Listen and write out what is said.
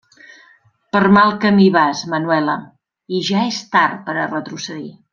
Per mal camí vas, Manuela, i ja és tard per a retrocedir.